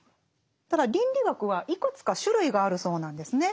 ただ倫理学はいくつか種類があるそうなんですね。